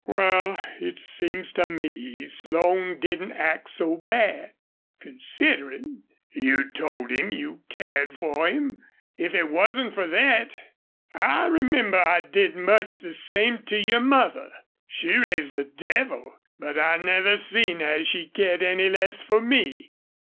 "Wal, it seems to me Slone didn't act so bad, considerin'. You'd told him you cared for him. If it wasn't for thet! ... I remember I did much the same to your mother. She raised the devil, but I never seen as she cared any less for me."